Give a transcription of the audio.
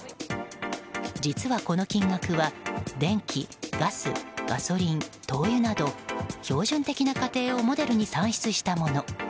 実は、この金額は電気・ガス、ガソリン、灯油など標準的な家庭をモデルに算出したもの。